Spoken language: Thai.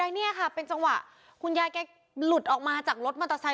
ไว้ได้เนี่ยคะเป็นสังหวะขุ้นยายแกลือออกมาจากรถมอเตอร์ไซด์